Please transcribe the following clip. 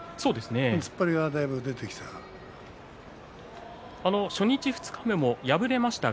突っ張りがだいぶ出てきましたね。